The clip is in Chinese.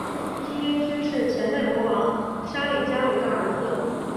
梯因屈是前代国王沙里伽维的儿子。